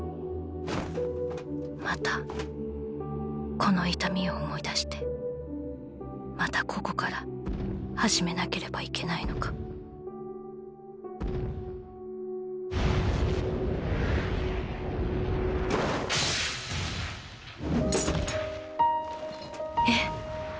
またこの痛みを思い出してまたここから始めなければいけないのかえっ？